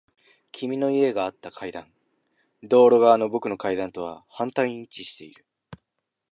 君の家があった階段。道路側の僕の階段とは反対に位置している。